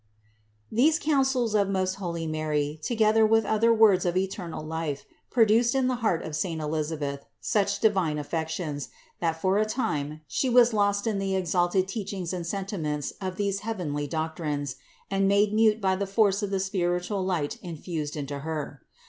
288. These counsels of most holy Mary together with other words of eternal life produced in the heart of saint Elisabeth such divine affections, that for a time, she was lost in the exalted teachings and sentiments of these heavenly doctrines and made mute by the force of the spiritual light infused into her.